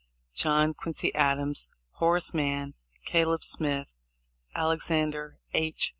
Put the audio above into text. John Quincy Adams, Horace Mann, Caleb Smith, Alexander H.